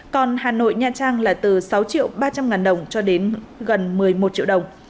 còn hà nội nha trang là từ sáu triệu ba trăm linh ngàn đồng cho đến gần một mươi một triệu đồng